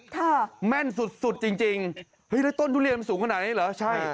แม่นสุดสุดจริงจริงเฮ้ยแล้วต้นทุเรียนมันสูงขนาดนี้เหรอใช่